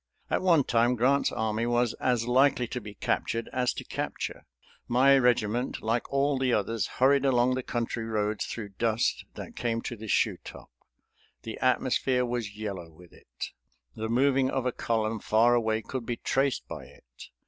At one time Grant's army was as likely to be captured as to capture. My regiment, like all the others, hurried along the country roads through dust that came to the shoe top. The atmosphere was yellow with it. The moving of a column far away could be traced by it.